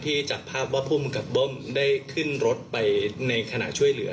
จับภาพว่าภูมิกับเบิ้มได้ขึ้นรถไปในขณะช่วยเหลือ